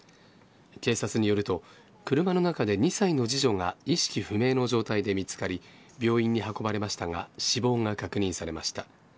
警察によると車の中で２歳の次女が意識不明の状態で見つかり病院に運ばれましたが死亡が確認されました。